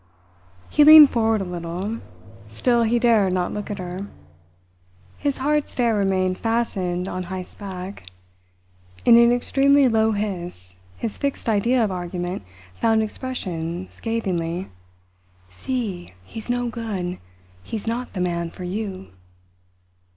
He leaned forward a little; still he dared not look at her. His hard stare remained fastened on Heyst's back. In an extremely low hiss, his fixed idea of argument found expression scathingly: "See! He's no good. He's not the man for you!"